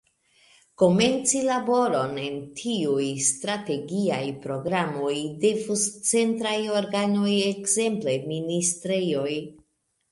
Komenci laboron en tiuj strategiaj programoj devus centraj organoj, ekzemple ministrejoj.